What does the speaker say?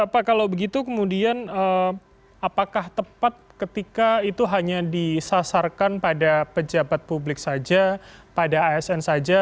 pak kalau begitu kemudian apakah tepat ketika itu hanya disasarkan pada pejabat publik saja pada asn saja